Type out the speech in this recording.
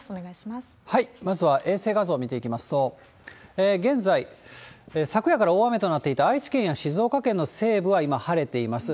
まずは衛星画像見ていきますと、現在、昨夜から大雨となっていた愛知県や静岡県の西部は今晴れています。